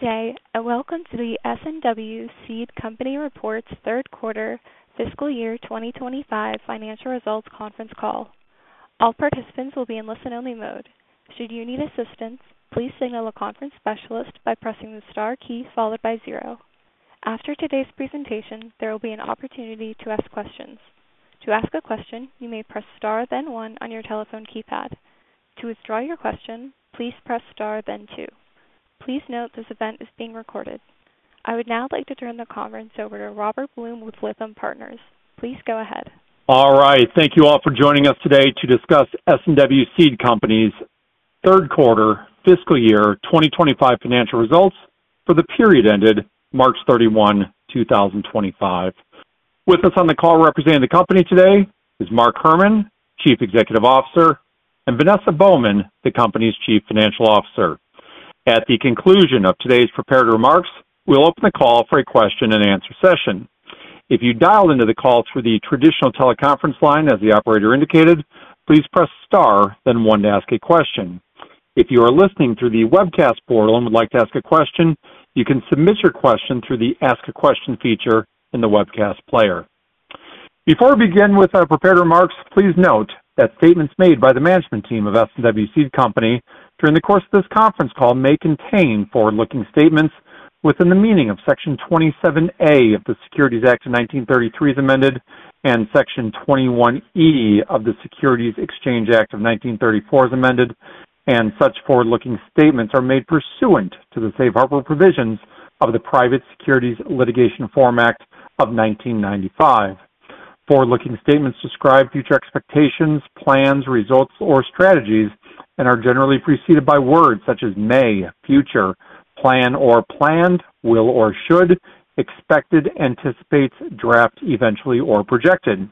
Good day. Welcome to the S&W Seed Company Report's Third Quarter, Fiscal Year 2025 Financial Results Conference Call. All participants will be in listen-only mode. Should you need assistance, please signal a conference specialist by pressing the star key followed by zero. After today's presentation, there will be an opportunity to ask questions. To ask a question, you may press star then one on your telephone keypad. To withdraw your question, please press star then two. Please note this event is being recorded. I would now like to turn the conference over to Robert Blum with Lytham Partners. Please go ahead. All right. Thank you all for joining us today to discuss S&W Seed Company's Third Quarter, Fiscal Year 2025 Financial Results for the period ended March 31, 2025. With us on the call representing the company today is Mark Herrmann, Chief Executive Officer, and Vanessa Baughman, the company's Chief Financial Officer. At the conclusion of today's prepared remarks, we'll open the call for a question-and-answer session. If you dialed into the call through the traditional teleconference line, as the operator indicated, please press star then one to ask a question. If you are listening through the webcast portal and would like to ask a question, you can submit your question through the ask a question feature in the webcast player. Before we begin with our prepared remarks, please note that statements made by the management team of S&W Seed Company during the course of this conference call may contain forward-looking statements within the meaning of Section 27A of the Securities Act of 1933 as amended, and Section 21E of the Securities Exchange Act of 1934 as amended, and such forward-looking statements are made pursuant to the safe harbor provisions of the Private Securities Litigation Reform Act of 1995. Forward-looking statements describe future expectations, plans, results, or strategies, and are generally preceded by words such as may, future, plan or planned, will or should, expected, anticipates, draft, eventually, or projected.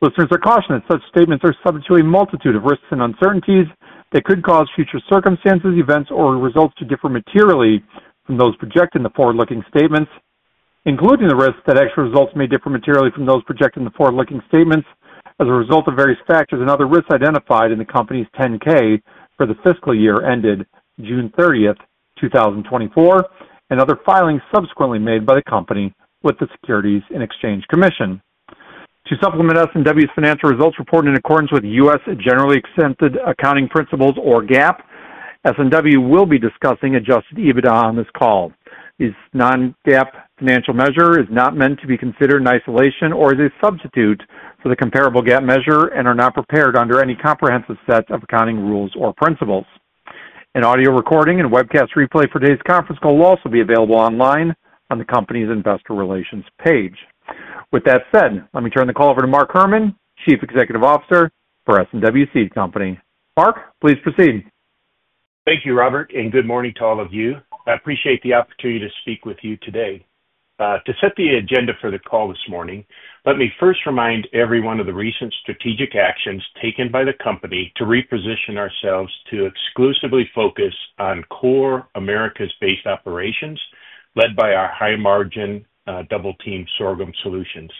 Listeners are cautioned that such statements are subject to a multitude of risks and uncertainties that could cause future circumstances, events, or results to differ materially from those projected in the forward-looking statements, including the risks that actual results may differ materially from those projected in the forward-looking statements as a result of various factors and other risks identified in the company's 10-K for the fiscal year ended June 30th, 2024, and other filings subsequently made by the company with the Securities and Exchange Commission. To supplement S&W's financial results report in accordance with U.S. Generally Accepted Accounting Principles, or GAAP, S&W will be discussing adjusted EBITDA on this call. This non-GAAP financial measure is not meant to be considered in isolation or as a substitute for the comparable GAAP measure and is not prepared under any comprehensive set of accounting rules or principles. An audio recording and webcast replay for today's conference call will also be available online on the company's investor relations page. With that said, let me turn the call over to Mark Herrmann, Chief Executive Officer for S&W Seed Company. Mark, please proceed. Thank you, Robert, and good morning to all of you. I appreciate the opportunity to speak with you today. To set the agenda for the call this morning, let me first remind everyone of the recent strategic actions taken by the company to reposition ourselves to exclusively focus on core Americas-based operations led by our high-margin Double-Team Sorghum Solutions.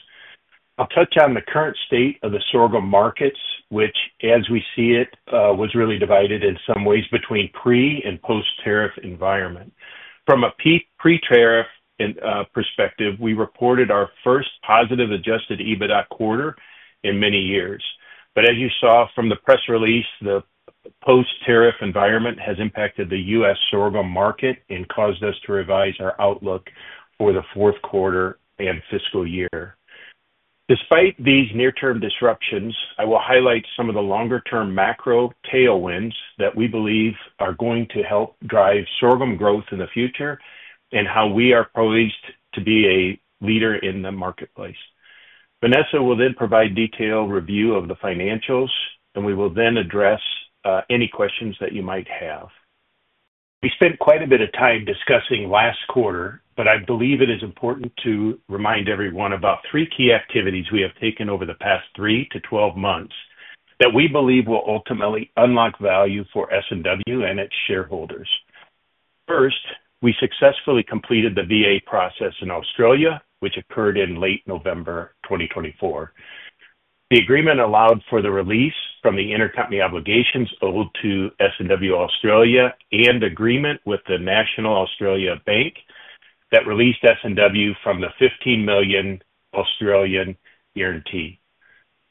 I'll touch on the current state of the sorghum markets, which, as we see it, was really divided in some ways between pre and post-tariff environment. From a pre-tariff perspective, we reported our first positive adjusted EBITDA quarter in many years. As you saw from the press release, the post-tariff environment has impacted the U.S. Sorghum market and caused us to revise our outlook for the fourth quarter and fiscal year. Despite these near-term disruptions, I will highlight some of the longer-term macro tailwinds that we believe are going to help drive Sorghum growth in the future and how we are poised to be a leader in the marketplace. Vanessa will then provide detailed review of the financials, and we will then address any questions that you might have. We spent quite a bit of time discussing last quarter, but I believe it is important to remind everyone about three key activities we have taken over the past 3 to 12 months that we believe will ultimately unlock value for S&W and its shareholders. First, we successfully completed the VA process in Australia, which occurred in late November 2024. The agreement allowed for the release from the intercompany obligations owed to S&W Australia and agreement with the National Australia Bank that released S&W from the 15 million Australian guarantee.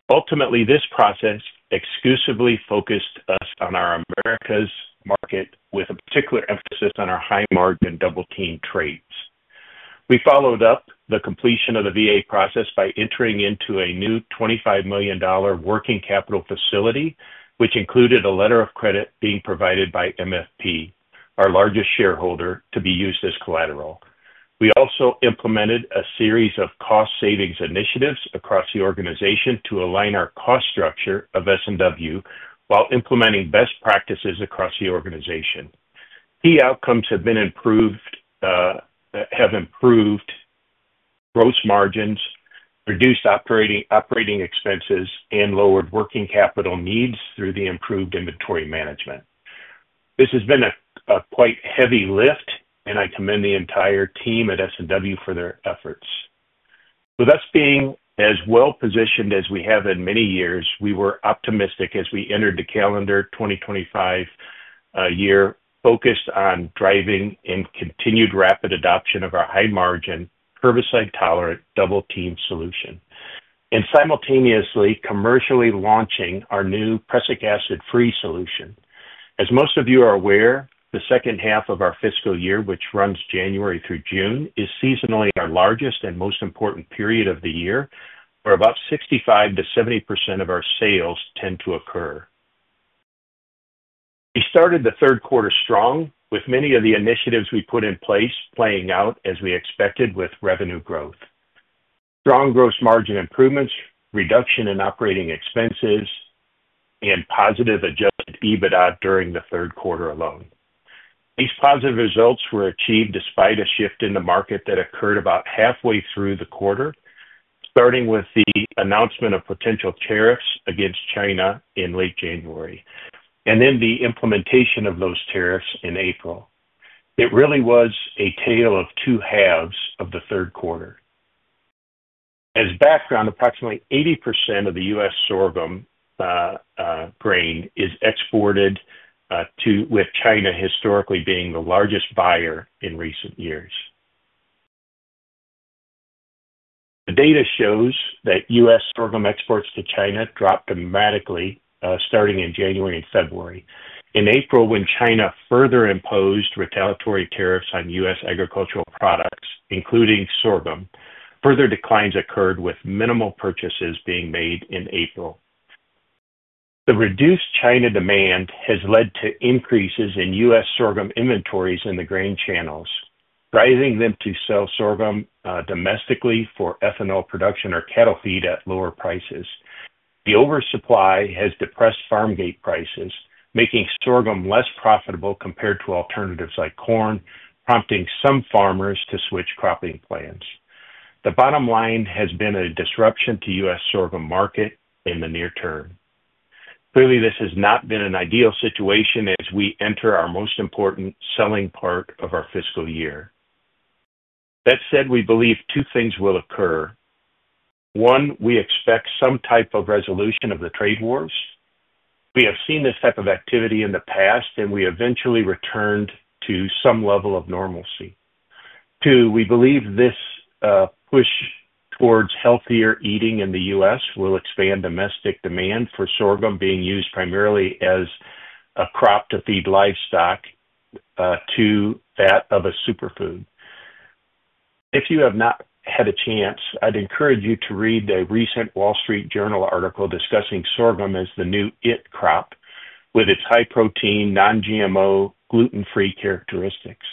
Ultimately, this process exclusively focused us on our America's market with a particular emphasis on our high-margin double-team traits. We followed up the completion of the VA process by entering into a new $25 million working capital facility, which included a letter of credit being provided by MFP, our largest shareholder, to be used as collateral. We also implemented a series of cost savings initiatives across the organization to align our cost structure of S&W while implementing best practices across the organization. Key outcomes have improved gross margins, reduced operating expenses, and lowered working capital needs through the improved inventory management. This has been a quite heavy lift, and I commend the entire team at S&W for their efforts. With us being as well-positioned as we have in many years, we were optimistic as we entered the calendar 2025 year focused on driving and continued rapid adoption of our high-margin, herbicide-tolerant Double-Team solution and simultaneously commercially launching our new prussic acid-free solution. As most of you are aware, the second half of our fiscal year, which runs January through June, is seasonally our largest and most important period of the year, where about 65%-70% of our sales tend to occur. We started the third quarter strong, with many of the initiatives we put in place playing out as we expected with revenue growth, strong gross margin improvements, reduction in operating expenses, and positive adjusted EBITDA during the third quarter alone. These positive results were achieved despite a shift in the market that occurred about halfway through the quarter, starting with the announcement of potential tariffs against China in late January and then the implementation of those tariffs in April. It really was a tale of two halves of the third quarter. As background, approximately 80% of the U.S. sorghum grain is exported with China historically being the largest buyer in recent years. The data shows that U.S. sorghum exports to China dropped dramatically starting in January and February. In April, when China further imposed retaliatory tariffs on U.S. agricultural products, including sorghum, further declines occurred with minimal purchases being made in April. The reduced China demand has led to increases in U.S. sorghum inventories in the grain channels, driving them to sell sorghum domestically for ethanol production or cattle feed at lower prices. The oversupply has depressed farm gate prices, making sorghum less profitable compared to alternatives like corn, prompting some farmers to switch cropping plans. The bottom line has been a disruption to the U.S. sorghum market in the near term. Clearly, this has not been an ideal situation as we enter our most important selling part of our fiscal year. That said, we believe two things will occur. One, we expect some type of resolution of the trade wars. We have seen this type of activity in the past, and we eventually returned to some level of normalcy. Two, we believe this push towards healthier eating in the U.S. will expand domestic demand for sorghum being used primarily as a crop to feed livestock to that of a superfood. If you have not had a chance, I'd encourage you to read a recent Wall Street Journal article discussing sorghum as the new it crop with its high protein, non-GMO, gluten-free characteristics.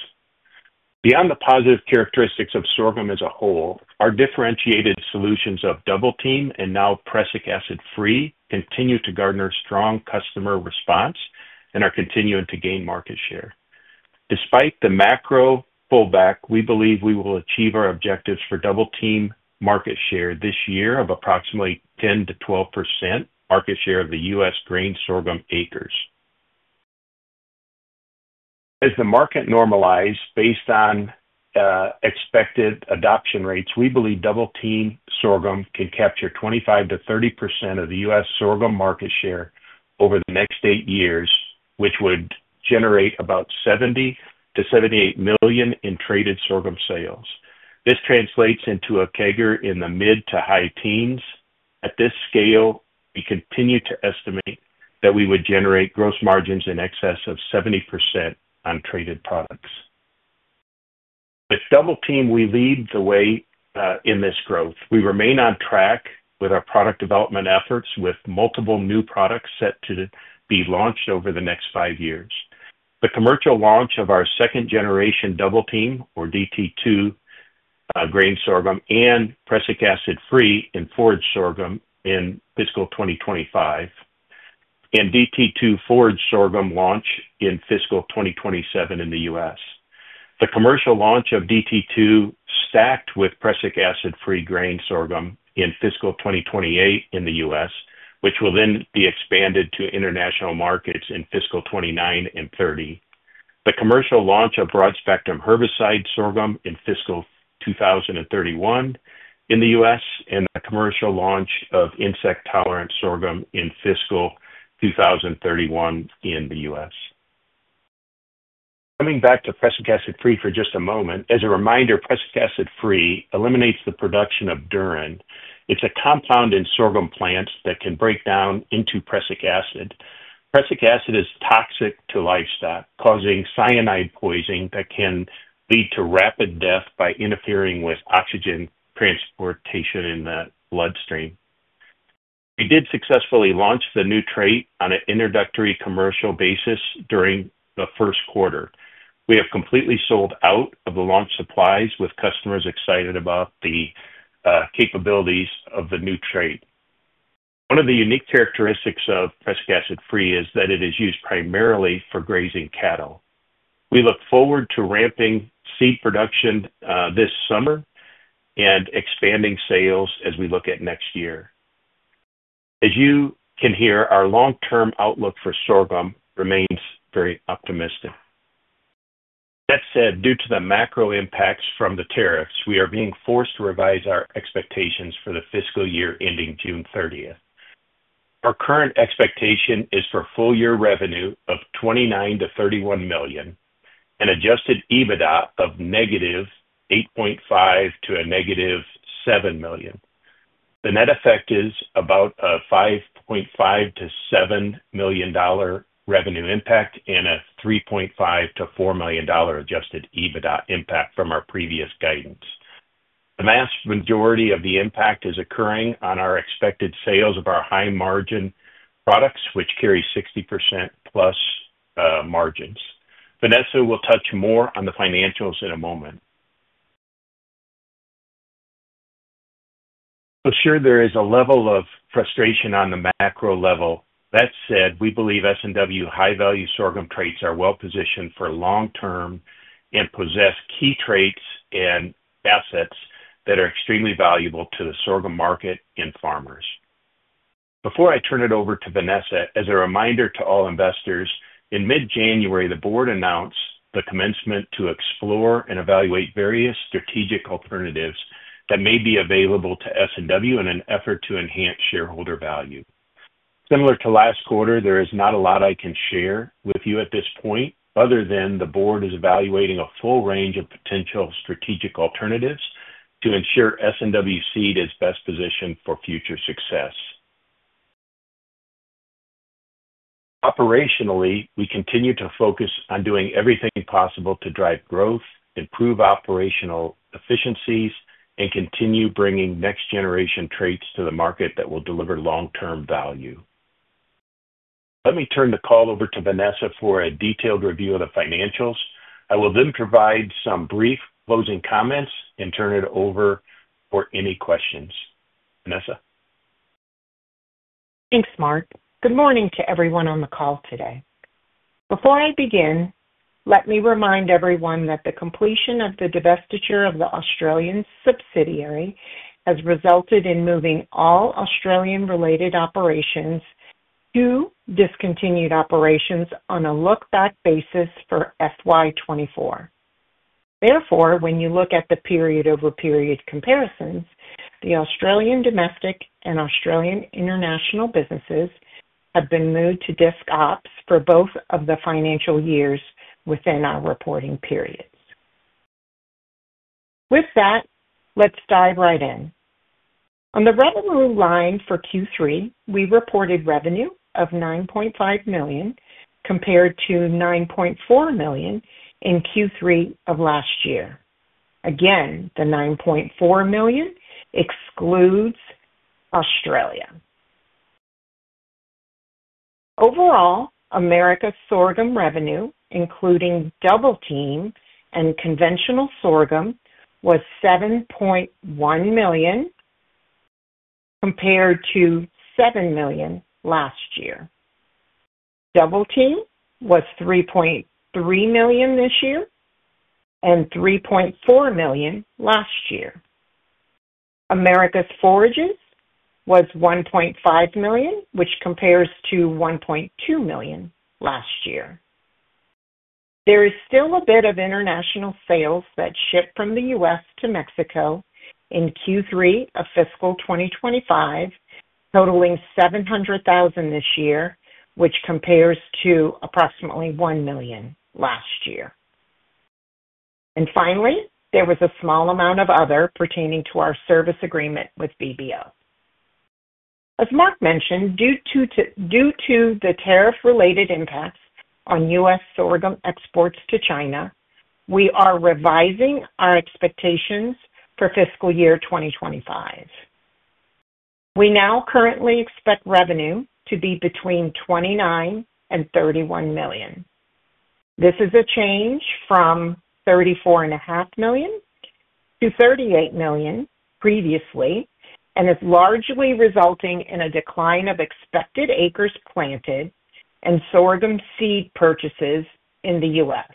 Beyond the positive characteristics of sorghum as a whole, our differentiated solutions of Double-Team and now prussic acid-free continue to garner strong customer response and are continuing to gain market share. Despite the macro pullback, we believe we will achieve our objectives for Double-Team market share this year of approximately 10%-12% market share of the U.S. grain sorghum acres. As the market normalizes based on expected adoption rates, we believe Double-Team sorghum can capture 25-30% of the U.S. sorghum market share over the next eight years, which would generate about $70million-$78 million in traded sorghum sales. This translates into a kegger in the mid to high teens. At this scale, we continue to estimate that we would generate gross margins in excess of 70% on traded products. With double-team, we lead the way in this growth. We remain on track with our product development efforts with multiple new products set to be launched over the next five years. The commercial launch of our second-generation Double-Team, or DT2, grain sorghum and prussic acid-free and forage sorghum in fiscal 2025, and DT2 forage sorghum launch in fiscal 2027 in the U.S. The commercial launch of DT2 stacked with prussic acid-free grain sorghum in fiscal 2028 in the U.S., which will then be expanded to international markets in fiscal 2029 and 2030. The commercial launch of broad-spectrum herbicide sorghum in fiscal 2031 in the U.S. and the commercial launch of insect-tolerant sorghum in fiscal 2031 in the U.S. Coming back to prussic acid-free for just a moment, as a reminder, prussic acid-free eliminates the production of durin. It's a compound in sorghum plants that can break down into prussic acid. Prussic acid is toxic to livestock, causing cyanide poisoning that can lead to rapid death by interfering with oxygen transportation in the bloodstream. We did successfully launch the new trait on an introductory commercial basis during the first quarter. We have completely sold out of the launch supplies, with customers excited about the capabilities of the new trait. One of the unique characteristics of prussic acid-free is that it is used primarily for grazing cattle. We look forward to ramping seed production this summer and expanding sales as we look at next year. As you can hear, our long-term outlook for sorghum remains very optimistic. That said, due to the macro impacts from the tariffs, we are being forced to revise our expectations for the fiscal year ending June 30th. Our current expectation is for full-year revenue of $29 million-$31 million and adjusted EBITDA of negative $8.5 million to negative $7 million. The net effect is about a $5.5 million-$7 million revenue impact and a $3.5 million-$4 million adjusted EBITDA impact from our previous guidance. The vast majority of the impact is occurring on our expected sales of our high-margin products, which carry 60% plus margins. Vanessa will touch more on the financials in a moment. For sure, there is a level of frustration on the macro level. That said, we believe S&W high-value sorghum traits are well-positioned for long term and possess key traits and assets that are extremely valuable to the sorghum market and farmers. Before I turn it over to Vanessa, as a reminder to all investors, in mid-January, the board announced the commencement to explore and evaluate various strategic alternatives that may be available to S&W in an effort to enhance shareholder value. Similar to last quarter, there is not a lot I can share with you at this point other than the board is evaluating a full range of potential strategic alternatives to ensure S&W Seed is best positioned for future success. Operationally, we continue to focus on doing everything possible to drive growth, improve operational efficiencies, and continue bringing next-generation traits to the market that will deliver long-term value. Let me turn the call over to Vanessa for a detailed review of the financials. I will then provide some brief closing comments and turn it over for any questions. Vanessa. Thanks, Mark. Good morning to everyone on the call today. Before I begin, let me remind everyone that the completion of the divestiture of the Australian subsidiary has resulted in moving all Australian-related operations to discontinued operations on a look-back basis for FY 2024. Therefore, when you look at the period-over-period comparisons, the Australian domestic and Australian international businesses have been moved to DISC Ops for both of the financial years within our reporting periods. With that, let's dive right in. On the revenue line for Q3, we reported revenue of $9.5 million compared to $9.4 million in Q3 of last year. Again, the $9.4 million excludes Australia. Overall, America's sorghum revenue, including Double-Team and conventional sorghum, was $7.1 million compared to $7 million last year. Double-Team was $3.3 million this year and $3.4 million last year. America's forages was $1.5 million, which compares to $1.2 million last year. There is still a bit of international sales that ship from the U.S. to Mexico in Q3 of fiscal 2025, totaling $700,000 this year, which compares to approximately $1 million last year. Finally, there was a small amount of other pertaining to our service agreement with VBO. As Mark mentioned, due to the tariff-related impacts on U.S. sorghum exports to China, we are revising our expectations for fiscal year 2025. We now currently expect revenue to be between $29 million and $31 million. This is a change from $34.5 million-$38 million previously and is largely resulting in a decline of expected acres planted and sorghum seed purchases in the U.S.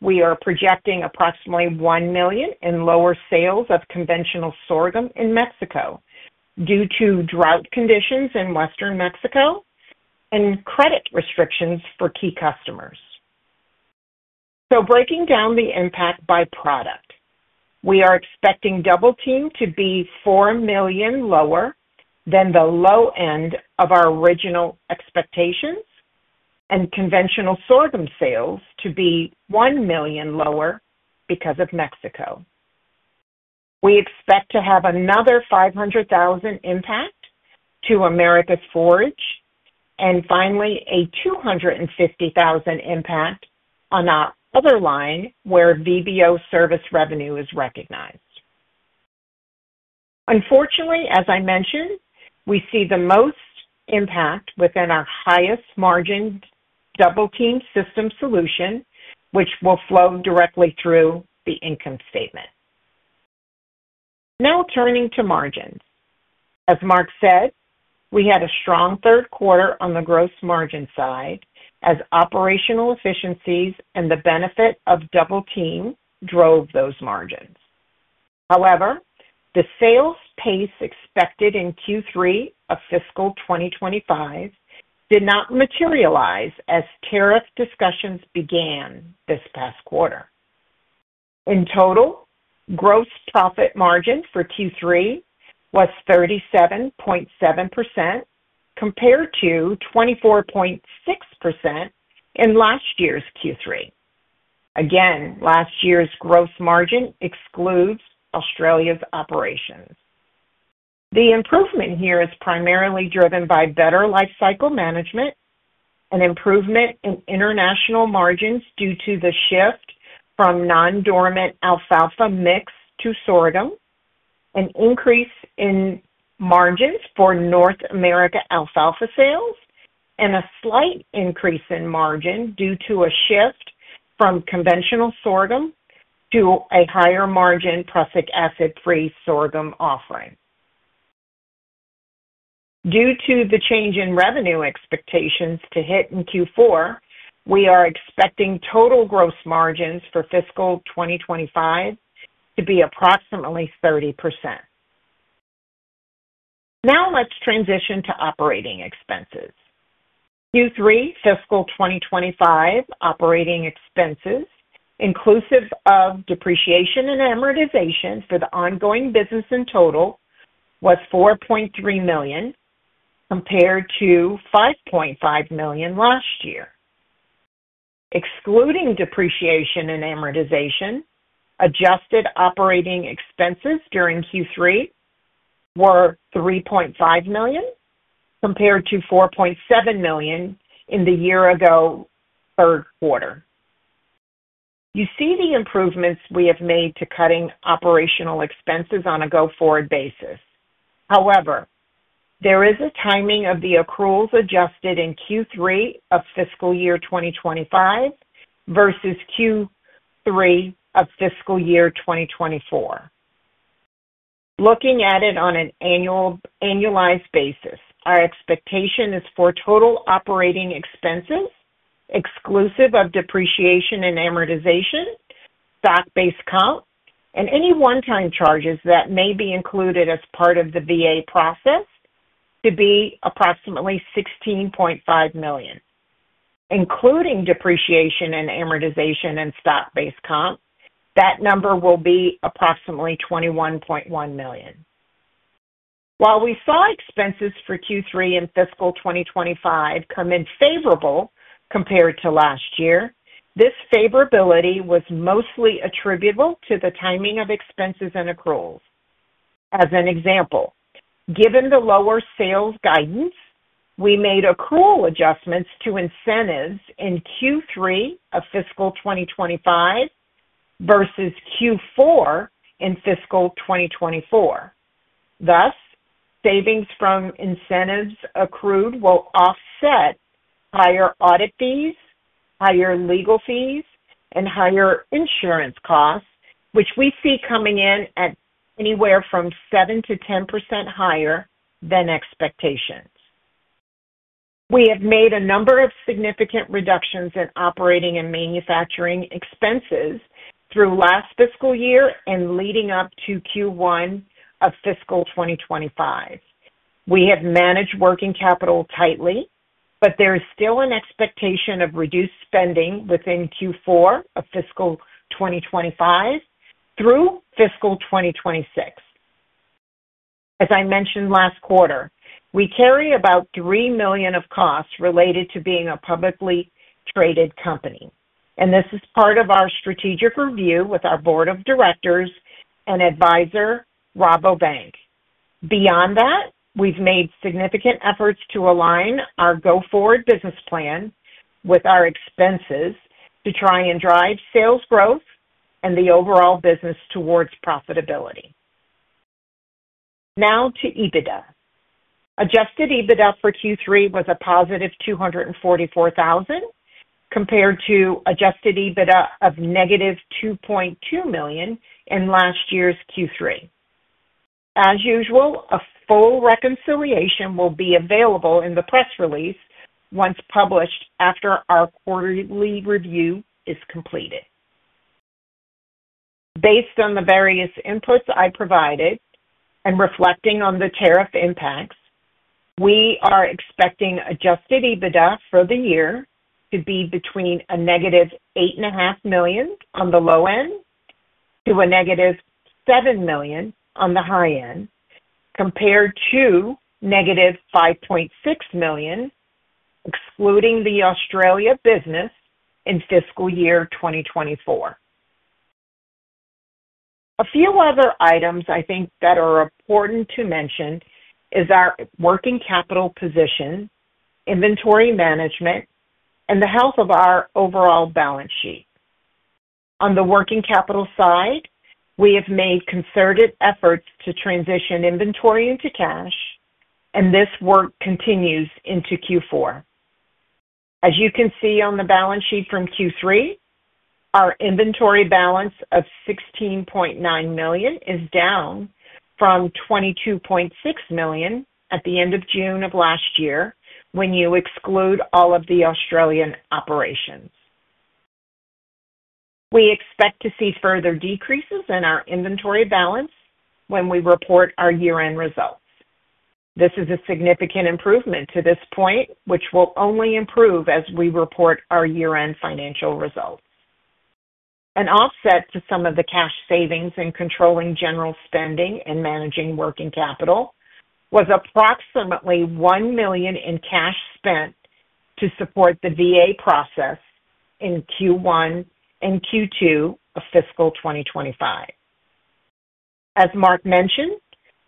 We are also projecting approximately $1 million in lower sales of conventional sorghum in Mexico due to drought conditions in western Mexico and credit restrictions for key customers. Breaking down the impact by product, we are expecting Double-Team to be $4 million lower than the low end of our original expectations and conventional sorghum sales to be $1 million lower because of Mexico. We expect to have another $500,000 impact to America's forage and finally a $250,000 impact on our other line where VBO service revenue is recognized. Unfortunately, as I mentioned, we see the most impact within our highest margin Double-Team system solution, which will flow directly through the income statement. Now turning to margins. As Mark said, we had a strong third quarter on the gross margin side as operational efficiencies and the benefit of Double-Team drove those margins. However, the sales pace expected in Q3 of fiscal 2025 did not materialize as tariff discussions began this past quarter. In total, gross profit margin for Q3 was 37.7% compared to 24.6% in last year's Q3. Again, last year's gross margin excludes Australia's operations. The improvement here is primarily driven by better life cycle management, an improvement in international margins due to the shift from non-dormant alfalfa mix to sorghum, an increase in margins for North America alfalfa sales, and a slight increase in margin due to a shift from conventional sorghum to a higher margin prussic acid-free sorghum offering. Due to the change in revenue expectations to hit in Q4, we are expecting total gross margins for fiscal 2025 to be approximately 30%. Now let's transition to operating expenses. Q3 fiscal 2025 operating expenses, inclusive of depreciation and amortization for the ongoing business in total, was $4.3 million compared to $5.5 million last year. Excluding depreciation and amortization, adjusted operating expenses during Q3 were $3.5 million compared to $4.7 million in the year ago third quarter. You see the improvements we have made to cutting operational expenses on a go-forward basis. However, there is a timing of the accruals adjusted in Q3 of fiscal year 2025 versus Q3 of fiscal year 2024. Looking at it on an annualized basis, our expectation is for total operating expenses, exclusive of depreciation and amortization, stock-based comp, and any one-time charges that may be included as part of the VA process to be approximately $16.5 million. Including depreciation and amortization and stock-based comp, that number will be approximately $21.1 million. While we saw expenses for Q3 in fiscal 2025 come in favorable compared to last year, this favorability was mostly attributable to the timing of expenses and accruals. As an example, given the lower sales guidance, we made accrual adjustments to incentives in Q3 of fiscal 2025 versus Q4 in fiscal 2024. Thus, savings from incentives accrued will offset higher audit fees, higher legal fees, and higher insurance costs, which we see coming in at anywhere from 7%-10% higher than expectations. We have made a number of significant reductions in operating and manufacturing expenses through last fiscal year and leading up to Q1 of fiscal 2025. We have managed working capital tightly, but there is still an expectation of reduced spending within Q4 of fiscal 2025 through fiscal 2026. As I mentioned last quarter, we carry about $3 million of costs related to being a publicly traded company, and this is part of our strategic review with our board of directors and advisor Rabobank. Beyond that, we've made significant efforts to align our go-forward business plan with our expenses to try and drive sales growth and the overall business towards profitability. Now to EBITDA. Adjusted EBITDA for Q3 was a positive $244,000 compared to adjusted EBITDA of negative $2.2 million in last year's Q3. As usual, a full reconciliation will be available in the press release once published after our quarterly review is completed. Based on the various inputs I provided and reflecting on the tariff impacts, we are expecting adjusted EBITDA for the year to be between a negative $8.5 million on the low end to a negative $7 million on the high end compared to negative $5.6 million, excluding the Australia business in fiscal year 2024. A few other items I think that are important to mention are our working capital position, inventory management, and the health of our overall balance sheet. On the working capital side, we have made concerted efforts to transition inventory into cash, and this work continues into Q4. As you can see on the balance sheet from Q3, our inventory balance of $16.9 million is down from $22.6 million at the end of June of last year when you exclude all of the Australian operations. We expect to see further decreases in our inventory balance when we report our year-end results. This is a significant improvement to this point, which will only improve as we report our year-end financial results. An offset to some of the cash savings in controlling general spending and managing working capital was approximately $1 million in cash spent to support the VA process in Q1 and Q2 of fiscal 2025. As Mark mentioned,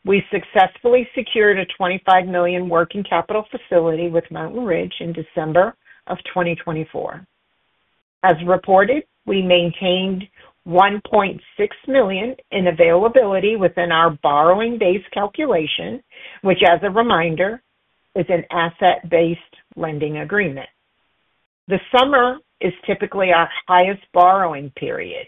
we successfully secured a $25 million working capital facility with Mountain Ridge in December of 2024. As reported, we maintained $1.6 million in availability within our borrowing-based calculation, which, as a reminder, is an asset-based lending agreement. The summer is typically our highest borrowing period,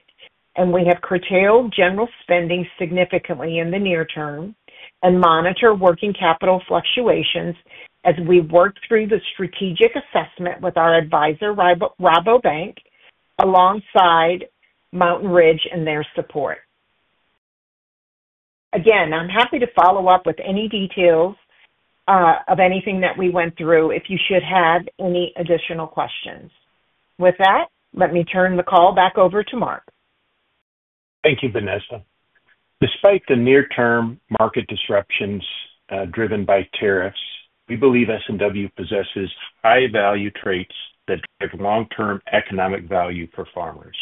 and we have curtailed general spending significantly in the near term and monitor working capital fluctuations as we work through the strategic assessment with our advisor Rabobank alongside Mountain Ridge and their support. Again, I'm happy to follow up with any details of anything that we went through if you should have any additional questions. With that, let me turn the call back over to Mark. Thank you, Vanessa. Despite the near-term market disruptions driven by tariffs, we believe S&W possesses high-value traits that drive long-term economic value for farmers.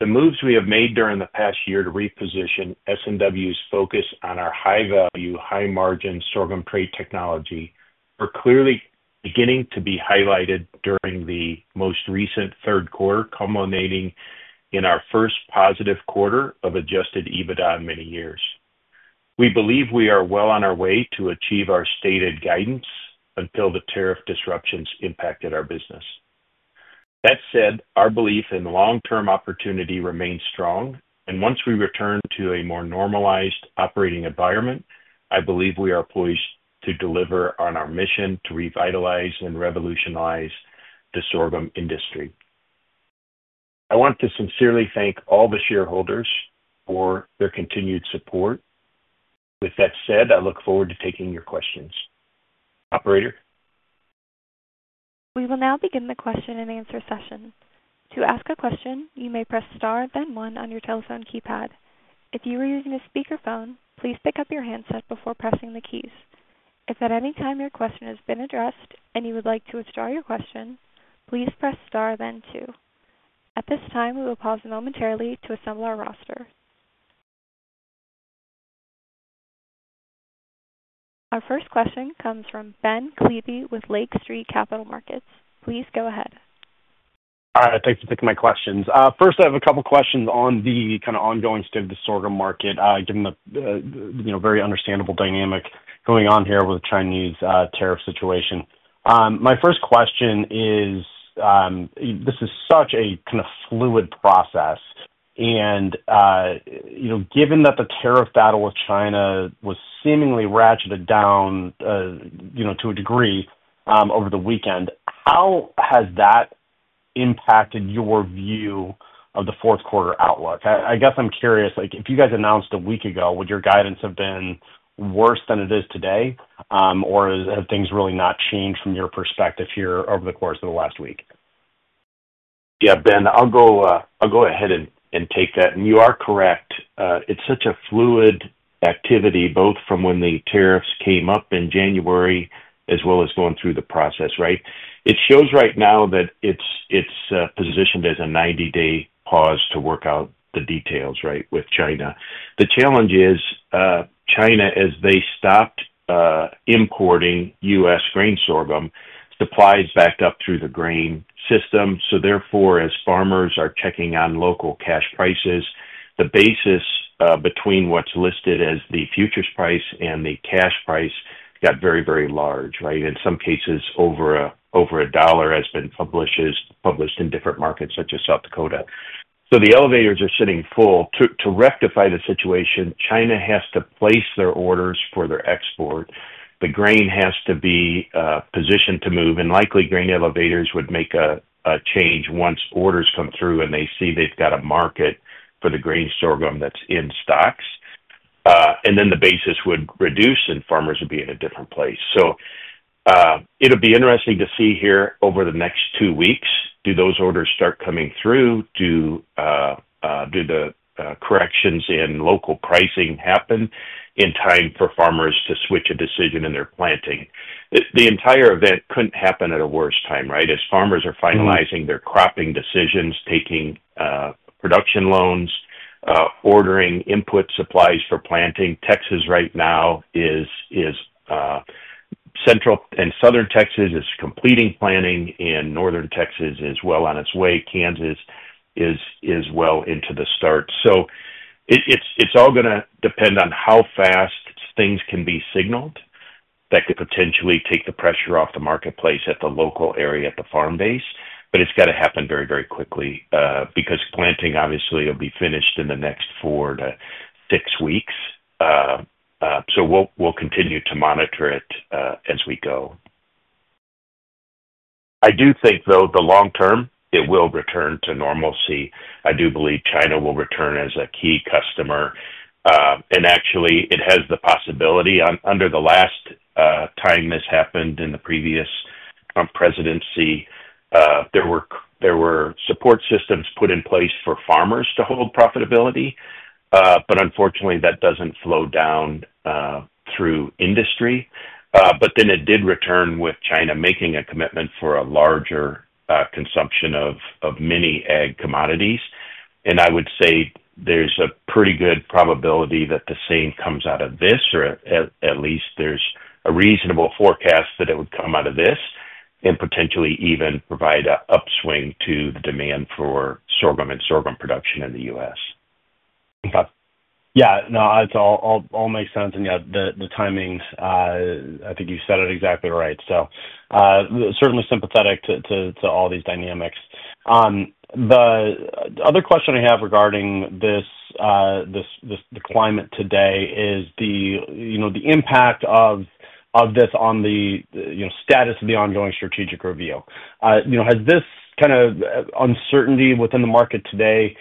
The moves we have made during the past year to reposition S&W's focus on our high-value, high-margin sorghum trait technology are clearly beginning to be highlighted during the most recent third quarter, culminating in our first positive quarter of adjusted EBITDA in many years. We believe we are well on our way to achieve our stated guidance until the tariff disruptions impacted our business. That said, our belief in long-term opportunity remains strong, and once we return to a more normalized operating environment, I believe we are poised to deliver on our mission to revitalize and revolutionize the sorghum industry. I want to sincerely thank all the shareholders for their continued support. With that said, I look forward to taking your questions. Operator. We will now begin the question and answer session. To ask a question, you may press star, then one on your telephone keypad. If you are using a speakerphone, please pick up your handset before pressing the keys. If at any time your question has been addressed and you would like to withdraw your question, please press star, then two. At this time, we will pause momentarily to assemble our roster. Our first question comes from Ben Klieve with Lake Street Capital Markets. Please go ahead. All right. Thanks for taking my questions. First, I have a couple of questions on the kind of ongoing state of the sorghum market, given the very understandable dynamic going on here with the Chinese tariff situation. My first question is, this is such a kind of fluid process, and given that the tariff battle with China was seemingly ratcheted down to a degree over the weekend, how has that impacted your view of the fourth quarter outlook? I guess I'm curious, if you guys announced a week ago, would your guidance have been worse than it is today, or have things really not changed from your perspective here over the course of the last week? Yeah, Ben, I'll go ahead and take that. And you are correct. It's such a fluid activity, both from when the tariffs came up in January as well as going through the process, right? It shows right now that it's positioned as a 90-day pause to work out the details, right, with China. The challenge is China, as they stopped importing U.S. grain sorghum, supplies backed up through the grain system. Therefore, as farmers are checking on local cash prices, the basis between what's listed as the futures price and the cash price got very, very large, right? In some cases, over a dollar has been published in different markets such as South Dakota. The elevators are sitting full. To rectify the situation, China has to place their orders for their export. The grain has to be positioned to move, and likely grain elevators would make a change once orders come through and they see they've got a market for the grain sorghum that's in stocks. The basis would reduce, and farmers would be in a different place. It will be interesting to see here over the next two weeks, do those orders start coming through, do the corrections in local pricing happen in time for farmers to switch a decision in their planting. The entire event could not happen at a worse time, right? As farmers are finalizing their cropping decisions, taking production loans, ordering input supplies for planting, Texas right now is central and southern Texas is completing planting, and northern Texas is well on its way. Kansas is well into the start. It is all going to depend on how fast things can be signaled that could potentially take the pressure off the marketplace at the local area at the farm base. It has to happen very, very quickly because planting, obviously, will be finished in the next four to six weeks. We will continue to monitor it as we go. I do think, though, the long term, it will return to normalcy. I do believe China will return as a key customer. It actually has the possibility. Under the last time this happened in the previous Trump presidency, there were support systems put in place for farmers to hold profitability, but unfortunately, that does not flow down through industry. Then it did return with China making a commitment for a larger consumption of many egg commodities. I would say there's a pretty good probability that the same comes out of this, or at least there's a reasonable forecast that it would come out of this and potentially even provide an upswing to the demand for sorghum and sorghum production in the U.S. Okay. Yeah. No, it all makes sense. Yeah, the timing, I think you said it exactly right. Certainly sympathetic to all these dynamics. The other question I have regarding the climate today is the impact of this on the status of the ongoing strategic review. Has this kind of uncertainty within the market today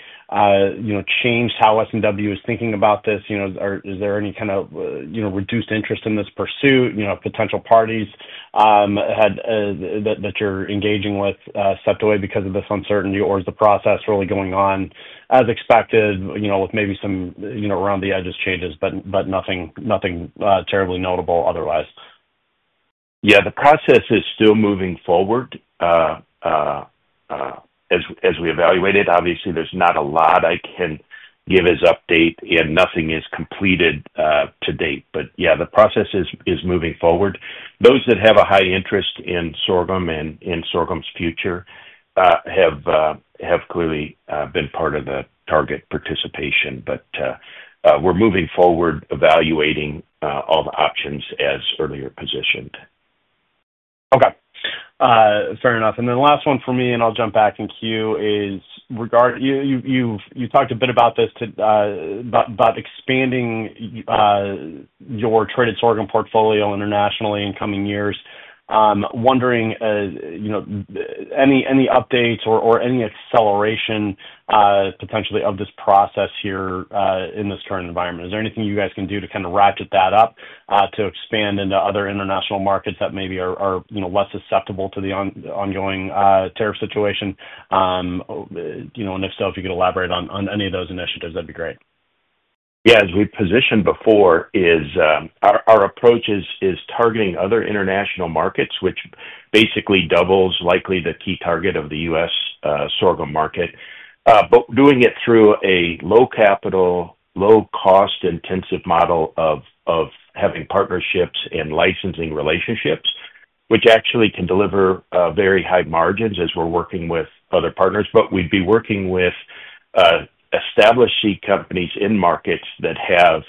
changed how S&W is thinking about this? Is there any kind of reduced interest in this pursuit? Potential parties that you're engaging with stepped away because of this uncertainty, or is the process really going on as expected with maybe some around-the-edges changes, but nothing terribly notable otherwise? Yeah. The process is still moving forward as we evaluate it. Obviously, there's not a lot I can give as update, and nothing is completed to date. Yeah, the process is moving forward. Those that have a high interest in sorghum and sorghum's future have clearly been part of the target participation. We're moving forward evaluating all the options as earlier positioned. Okay. Fair enough. The last one for me, and I'll jump back in queue, is regarding you talked a bit about this about expanding your traded sorghum portfolio internationally in coming years. Wondering any updates or any acceleration potentially of this process here in this current environment? Is there anything you guys can do to kind of ratchet that up to expand into other international markets that maybe are less susceptible to the ongoing tariff situation? If so, if you could elaborate on any of those initiatives, that'd be great. Yeah. As we positioned before, our approach is targeting other international markets, which basically doubles likely the key target of the U.S. sorghum market, but doing it through a low-capital, low-cost, intensive model of having partnerships and licensing relationships, which actually can deliver very high margins as we're working with other partners. We would be working with established seed companies in markets that have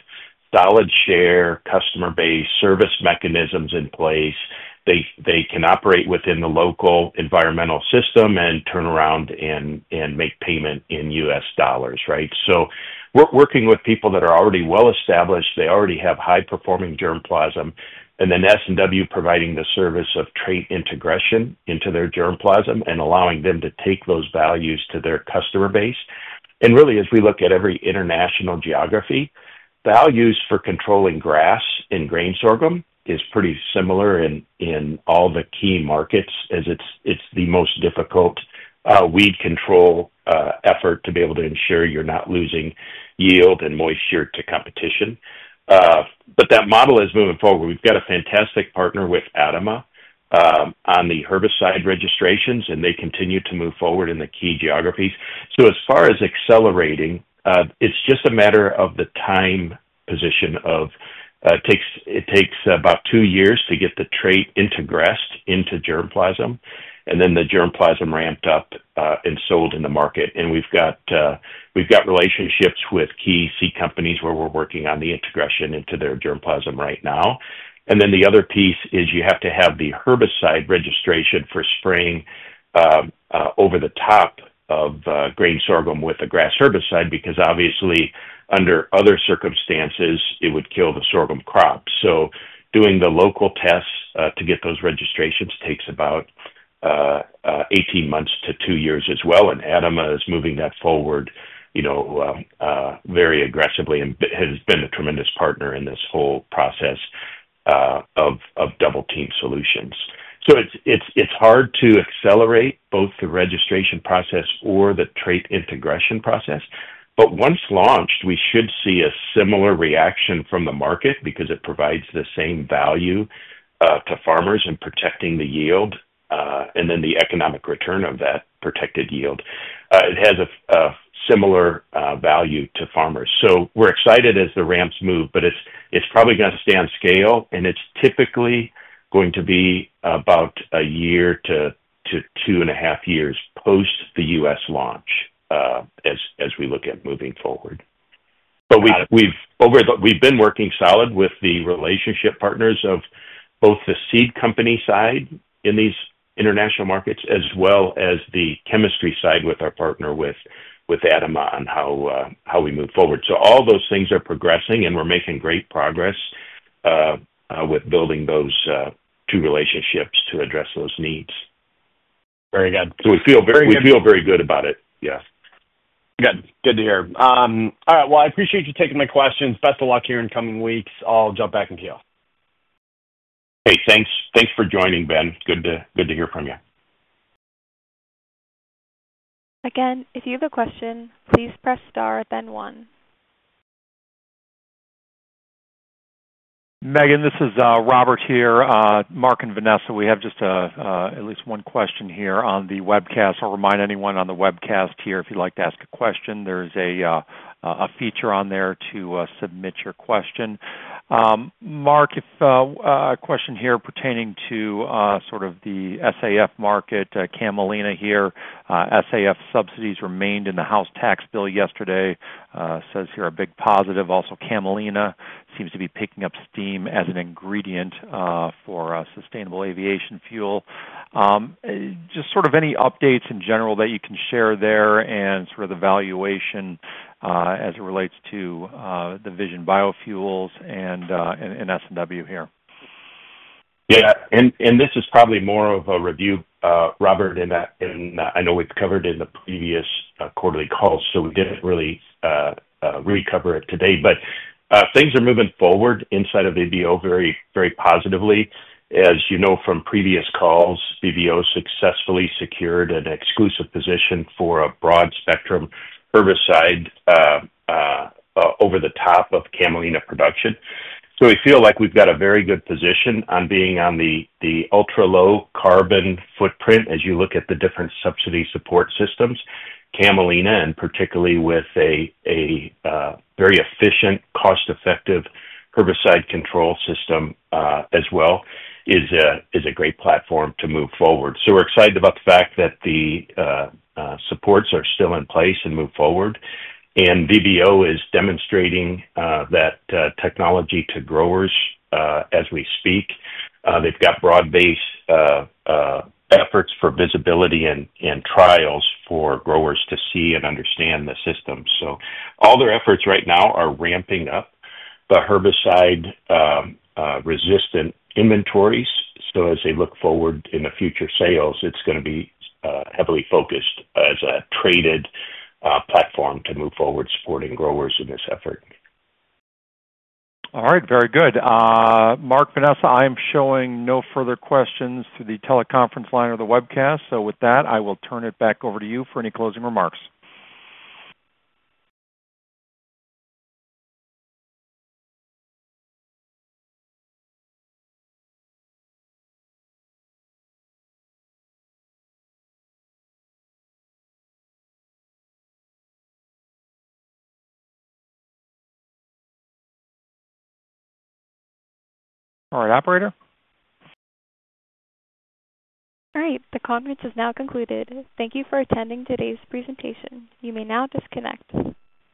solid share customer base service mechanisms in place. They can operate within the local environmental system and turn around and make payment in U.S. dollars, right? We are working with people that are already well established. They already have high-performing germplasm, and then S&W providing the service of trait integration into their germplasm and allowing them to take those values to their customer base. Really, as we look at every international geography, values for controlling grass and grain sorghum is pretty similar in all the key markets, as it's the most difficult weed control effort to be able to ensure you're not losing yield and moisture to competition. That model is moving forward. We've got a fantastic partner with ADAMA on the herbicide registrations, and they continue to move forward in the key geographies. As far as accelerating, it's just a matter of the time position of it takes about two years to get the trait integrated into germplasm, and then the germplasm ramped up and sold in the market. We have relationships with key seed companies where we're working on the integration into their germplasm right now. The other piece is you have to have the herbicide registration for spraying over the top of grain sorghum with a grass herbicide because, obviously, under other circumstances, it would kill the sorghum crop. Doing the local tests to get those registrations takes about 18 months to two years as well. ADAMA is moving that forward very aggressively and has been a tremendous partner in this whole process of Double-Team solutions. It is hard to accelerate both the registration process or the trait integration process. Once launched, we should see a similar reaction from the market because it provides the same value to farmers in protecting the yield and then the economic return of that protected yield. It has a similar value to farmers. We're excited as the ramps move, but it's probably going to stay on scale, and it's typically going to be about a year to two and a half years post the U.S. launch as we look at moving forward. We've been working solid with the relationship partners of both the seed company side in these international markets as well as the chemistry side with our partner with ADAMA on how we move forward. All those things are progressing, and we're making great progress with building those two relationships to address those needs. Very good. We feel very good. We feel very good about it. Yeah. Good. Good to hear. I appreciate you taking my questions. Best of luck here in coming weeks. I'll jump back in queue. Hey, thanks for joining, Ben. Good to hear from you. Again, if you have a question, please press star, then one. Megan, this is Robert here. Mark and Vanessa, we have just at least one question here on the webcast. I'll remind anyone on the webcast here if you'd like to ask a question. There is a feature on there to submit your question. Mark, a question here pertaining to sort of the SAF market. Camelina here. SAF subsidies remained in the House Tax bill yesterday. Says here a big positive. Also, Camelina seems to be picking up steam as an ingredient for sustainable aviation fuel. Just sort of any updates in general that you can share there and sort of the valuation as it relates to the Vision Biofuels and S&W here. Yeah. This is probably more of a review, Robert, and I know we've covered in the previous quarterly calls, so we didn't really recover it today. Things are moving forward inside of VBO very positively. As you know from previous calls, VBO successfully secured an exclusive position for a broad-spectrum herbicide over the top of Camelina production. We feel like we have got a very good position on being on the ultra-low carbon footprint as you look at the different subsidy support systems. Camelina, and particularly with a very efficient, cost-effective herbicide control system as well, is a great platform to move forward. We are excited about the fact that the supports are still in place and move forward. VBO is demonstrating that technology to growers as we speak. They have got broad-based efforts for visibility and trials for growers to see and understand the system. All their efforts right now are ramping up the herbicide-resistant inventories. As they look forward in the future sales, it's going to be heavily focused as a traded platform to move forward supporting growers in this effort. All right. Very good. Mark, Vanessa, I am showing no further questions through the teleconference line or the webcast. With that, I will turn it back over to you for any closing remarks. All right. Operator. All right. The conference is now concluded. Thank you for attending today's presentation. You may now disconnect.